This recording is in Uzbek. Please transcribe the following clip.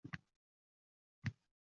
Nima bo`lsa, bo`ldi